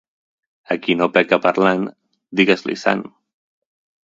A qui no peca parlant, digues-li sant.